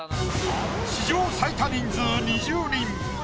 史上最多人数２０人。